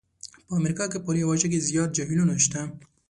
په امریکا په لویه وچه کې زیات جهیلونه شته دي.